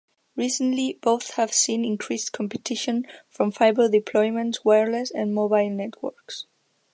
Recently, both have seen increased competition from fiber deployments, wireless, and mobile networks.